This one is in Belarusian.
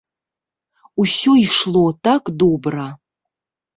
Усё ішло так добра.